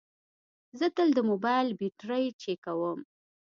زه تل د موبایل بیټرۍ چیکوم.